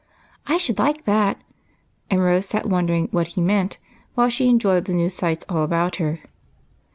" I should like that !" and Rose Sat wondering what he meant, while she enjoyed the new sights all about her.